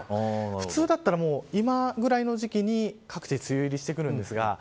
普通だったら、今ぐらいの時期に各地梅雨入りしてくるんですが。